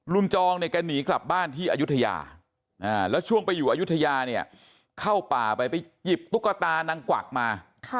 จองเนี่ยแกหนีกลับบ้านที่อายุทยาแล้วช่วงไปอยู่อายุทยาเนี่ยเข้าป่าไปไปหยิบตุ๊กตานางกวักมา